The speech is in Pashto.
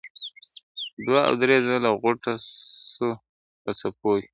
دوه او درې ځله غوټه سو په څپو کي !.